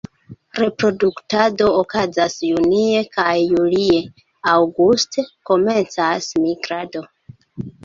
Reproduktado okazas junie kaj julie; aŭguste komencas migrado.